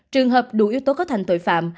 trường hợp đủ yếu tố có thành tội phạm